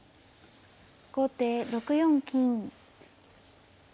後手６四金。